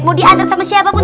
mau dihantar sama siapa pun